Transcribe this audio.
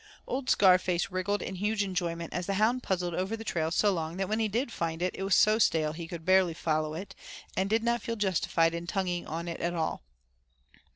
Old Scarface wriggled in huge enjoyment as the hound puzzled over the trail so long that when he did find it, it was so stale he could barely follow it, and did not feel justified in tonguing on it at all.